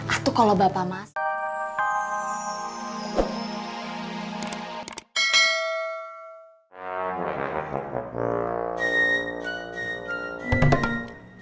atau kalo bapak masuk